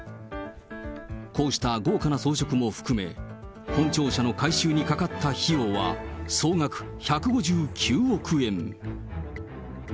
こうした豪華な装飾も含め、本庁舎の改修にかかった費用は総額１５９億円。